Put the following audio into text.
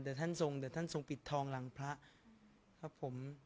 แต่ท่านทรงแต่ท่านทรงปิดทองหลังพระครับผม